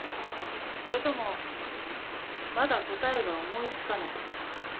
それともまだ答えが思い付かないとか？